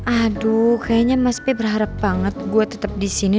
aduh kayaknya mas pi berharap banget gue tetep disini